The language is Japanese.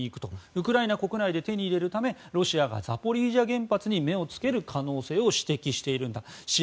ウクライナ国内で手に入れるためロシアがザポリージャ原発に目をつける可能性を指摘しているんです。